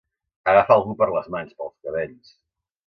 Agafar algú per les mans, pels cabells.